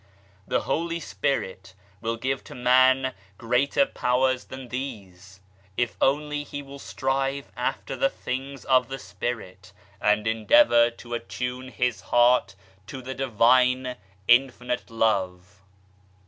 The Holy Spirit will give to man greater powers than these, if only he will strive after the things of the THE UNIVERSAL LOVE 33 Spirit, and endeavour to attune his heart to the Divine Infinite Love.